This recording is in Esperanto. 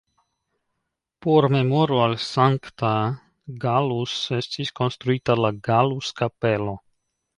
Por memoro al Sankta Gallus estis konstruita la Gallus-Kapelo.